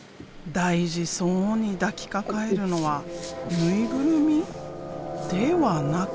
大事そうに抱きかかえるのは縫いぐるみ？ではなく。